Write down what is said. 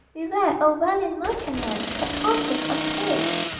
Beware, oh, valiant merchantman, Tread cautious on the pave!